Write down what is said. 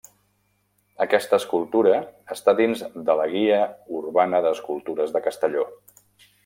Aquesta escultura està dins de la Guia Urbana d'escultures de Castelló.